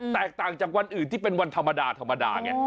แตกต่างจากวันอื่นที่เป็นวันธรรมดา